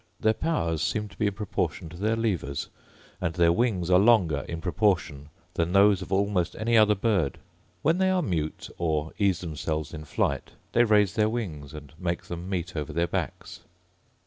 Their powers seem to be in proportion to their levers; and their wings are longer in proportion than those of almost any other bird. When they mute, or ease themselves in flight, they raise their wings, and make them meet over their backs.